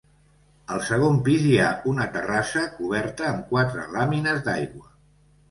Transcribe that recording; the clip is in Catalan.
Al segon pis hi ha una terrassa, coberta amb quatre làmines d'aigua.